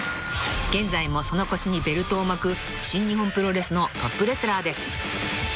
［現在もその腰にベルトを巻く新日本プロレスのトップレスラーです］